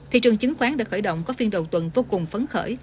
thị trường chứng khoán đã khởi động có phiên đầu tuần vô cùng phấn khởi